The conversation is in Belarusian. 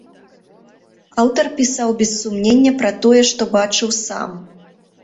Аўтар пісаў, без сумнення, пра тое, што бачыў сам.